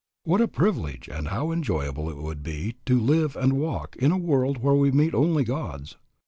What a privilege and how enjoyable it would be to live and walk in a world where we meet only Gods.